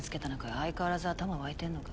相変わらず頭沸いてんのか。